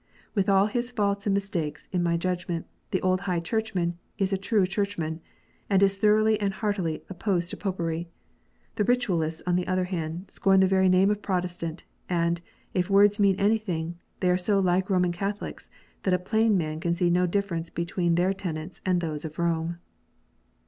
"With all his faults and mistakes, in my judgment, the old High Churchman is a true Churchman, and is thoroughly and heartily opposed to Popery. The Ritualists, on the other hand, scorn the very name of Protestant ; and, if words mean anything, are so like Roman Catholics, that a plain man can see no difference between their tenets and those of Home.